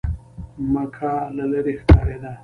مکه له لرې ښکارېده.